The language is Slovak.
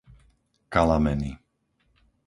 Kalameny